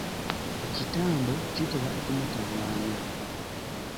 Ekitambo kitera okumutawaanya.